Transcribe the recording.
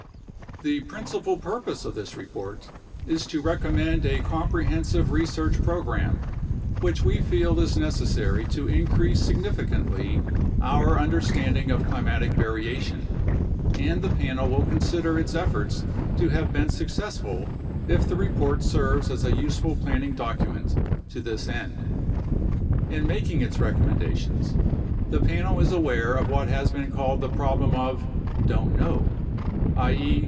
The principal purpose of this report is to recommend a comprehen sive research program, which we feel is necessary to increase significantly our understanding of climatic variation, and the Panel will consider its efforts to have been successful if the report serves as a useful planning document to this end. In making its recommendations, the Panel is aware of what has been called the problem of "(don't know)," 2 i.e.